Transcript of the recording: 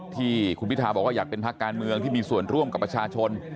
ที่คุณพิทาบอกว่าอยากเป็นภาคการเมืองที่มีส่วนร่วมกับประชาชน